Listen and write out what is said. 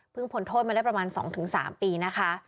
เพิ่งพ้นโทษมาได้ประมาณสองถึงสามปีนะคะ